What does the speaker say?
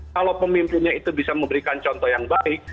kalau pemimpinnya itu bisa memberikan contoh yang baik